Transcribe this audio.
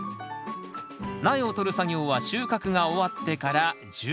苗を取る作業は収穫が終わってから１０月いっぱいまで。